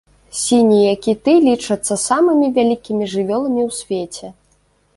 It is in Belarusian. Сінія кіты лічацца самымі вялікімі жывёламі ў свеце.